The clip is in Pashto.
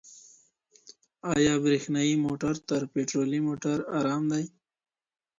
آیا برېښنايي موټر تر پټرولي موټر ارام دی؟